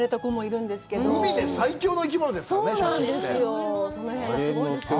海で最強の生き物ですからね。